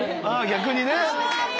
逆にね。